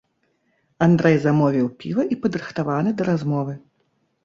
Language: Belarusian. Андрэй замовіў піва і падрыхтаваны да размовы.